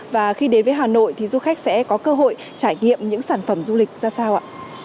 và khi đến với hà nội thì du khách sẽ có cơ hội trải nghiệm những sản phẩm du lịch ra sao ạ